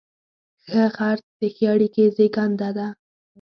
ښه خرڅ د ښې اړیکې زیږنده ده.